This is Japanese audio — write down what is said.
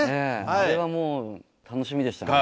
あれはもう楽しみでしたね。